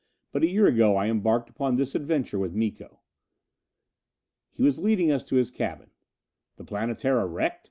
But a year ago I embarked upon this adventure with Miko." He was leading us to his cabin. "The Planetara wrecked?